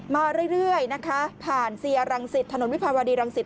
มาเรื่อยผ่านเสียรังศิษย์ถนนวิภาวดีรังศิษย์